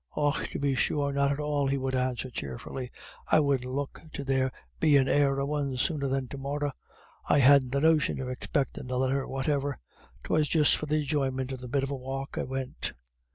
"Och tub be sure, not at all," he would answer cheerfully, "I wouldn't look to there bein' e'er a one sooner than to morra. I hadn't the notion of expectin' a letter whatever. 'Twas just for the enjoyment of the bit of a walk I went."